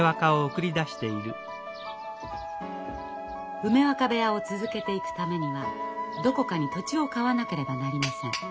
梅若部屋を続けていくためにはどこかに土地を買わなければなりません。